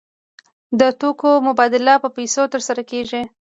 د توکو مبادله په پیسو ترسره کیږي.